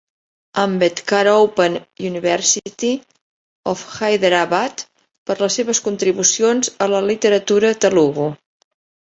Ambedkar Open University of Hyderabad, per les seves contribucions a la literatura Telugu.